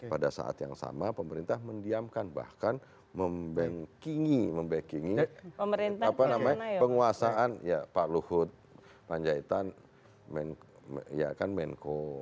pada saat yang sama pemerintah mendiamkan bahkan membanking membackingi penguasaan pak luhut panjaitan menko